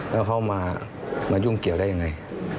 แล้วเขามายุ่งเกี่ยวได้ยังไง